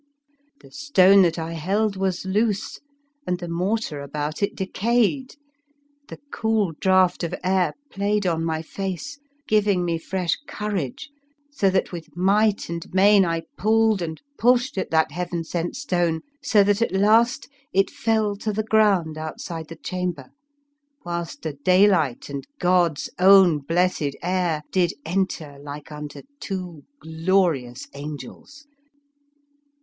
62 The Fearsome Island The stone that I held was loose, and the mortar about it decayed ; the cool draught of air played on my face, giv ing me fresh courage, so that with might and main I pulled and pushed at that heaven sent stone so that at last it fell to the ground outside the chamber, whilst the daylight and God's own blessed air did enter like unto two glorious angels.